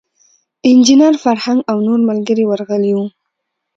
انجینیر فرهنګ او نور ملګري ورغلي وو.